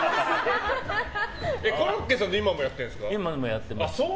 コロッケさんと今もやってますか？